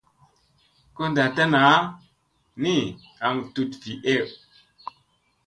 Ko ndatta naa ni aŋ tut vii ey.